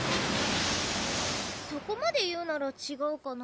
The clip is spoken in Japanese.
そこまで言うならちがうかな